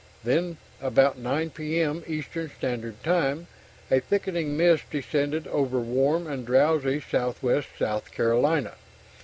Then about 9 P.M. Eastern Standard Time, a thickening mist descended over warm and drowsy southwest South Carolina.